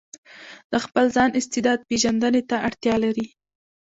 د خپل ځان استعداد پېژندنې ته اړتيا لري.